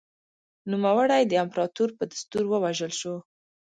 نوموړی د امپراتور په دستور ووژل شو